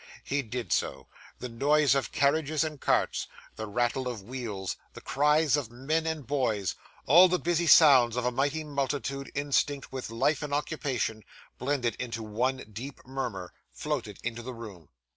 He did so. The noise of carriages and carts, the rattle of wheels, the cries of men and boys, all the busy sounds of a mighty multitude instinct with life and occupation, blended into one deep murmur, floated into the room.